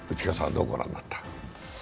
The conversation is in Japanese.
どうご覧になった？